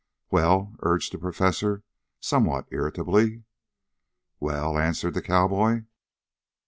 "Well?" urged the Professor somewhat irritably. "Wal?" answered the cowboy.